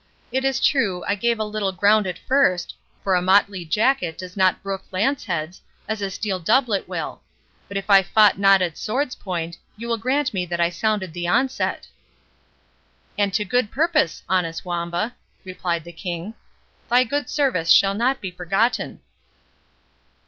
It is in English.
It is true, I gave a little ground at first, for a motley jacket does not brook lance heads, as a steel doublet will. But if I fought not at sword's point, you will grant me that I sounded the onset." "And to good purpose, honest Wamba," replied the King. "Thy good service shall not be forgotten."